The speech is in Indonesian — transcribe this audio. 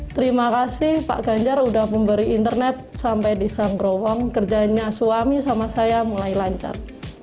terima kasih pak ganjar sudah memberi internet sampai di sang growong kerjanya suami sama saya mulai lancar